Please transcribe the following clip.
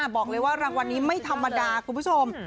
บอกเลยว่ารางวัลนี้ไม่ธรรมดาคุณผู้ชม